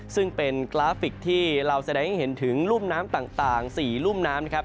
ซึ่งเป็นกราฟิกที่เราแสดงให้เห็นถึงรุ่มน้ำต่าง๔รุ่มน้ำนะครับ